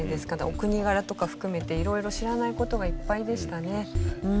お国柄とか含めて色々知らない事がいっぱいでしたね。